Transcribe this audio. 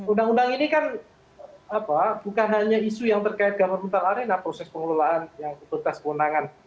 undang undang ini kan bukan hanya isu yang terkait governmental arena proses pengelolaan yang bertas kewenangan